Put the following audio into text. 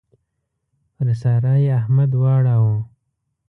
پر سارا يې احمد واړاوو.